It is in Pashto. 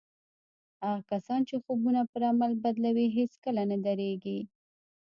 هغه کسان چې خوبونه پر عمل بدلوي هېڅکله نه درېږي.